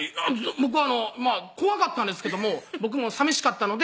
僕怖かったんですけども僕もさみしかったので「